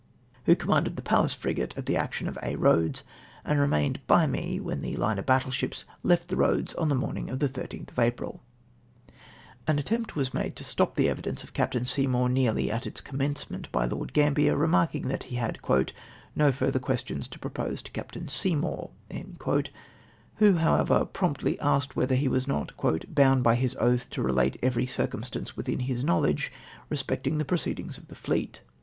who com manded the Pallas frigate at the action in Aix Eoads, and remauied by me when the line of battle ships left the roads on the morning of the loth of April.* * See vol. i. p. 092. EVIDENCE OF CAPT. SEYMOUR 51 An attempt was made to stop the evidence of Captain Seymour nearly at its commencement, by Lord Gambier remarking that he had ^'' no further questions to jjropose to Captain Seymour ;" who however promptly asked whether he was not " bound by his oath to relate every circumstance within his knowledge, respecting the proceedings of the fleet."